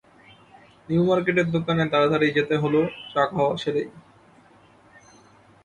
নিয়ু মার্কেটের দোকানে তাড়াতাড়ি যেতে হল চা খাওয়া সেরেই।